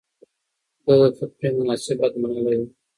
ده د تفريح مناسب حد منلی و.